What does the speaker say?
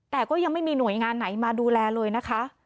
แต่ก็ยังไม่มีหน่วยงานไหนมาดูแลเลยนะคะ